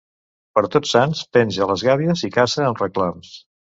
Per Tots Sants penja les gàbies i caça amb reclams.